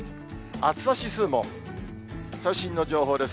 暑さ指数も、最新の情報です。